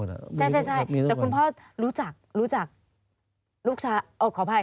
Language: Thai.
ใช่แล้วคุณพ่อรู้จัก